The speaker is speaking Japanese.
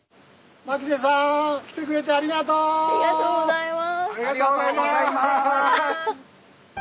ありがとうございます。